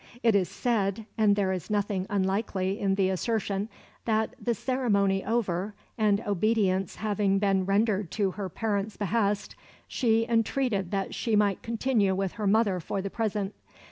It is said and there is nothing unlikely in the assertion that, the ceremony over and obedience having been rendered to her parents' behest, she entreated that she might continue with her mother for the present.